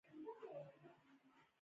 پلچکونه په څلورو ډولونو ویشل شوي دي